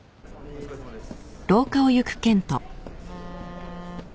お疲れさまです。